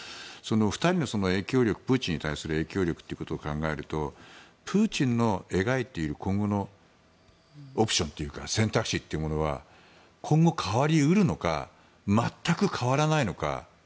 ２人のプーチンに対する影響力を考えるとプーチンの願いという今後のオプション、選択肢は今後、変わり得るのか全く変わらないのか。